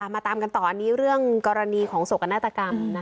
มาตามกันต่ออันนี้เรื่องกรณีของโศกนาฏกรรม